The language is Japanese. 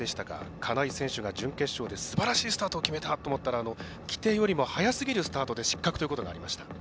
金井選手が準決勝ですばらしいスタートを決めたと思ったら規定よりも早すぎるスタートということで失格ということがありました。